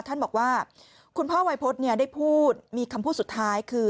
ท่านบอกว่าคุณพ่อวัยพฤษได้พูดมีคำพูดสุดท้ายคือ